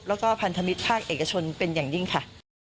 แล้วก็พันธมิตรภาคเอกชนเป็นอย่างยิ่งค่ะ